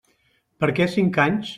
Per què cinc anys?